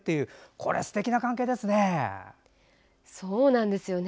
これはすてきな関係ですね。